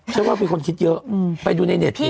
ฉันว่ามีคนคิดเยอะไปดูในเน็ตสิ